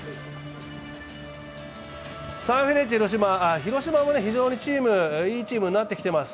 サンフレッチェ広島も非常にいいチームになってきています。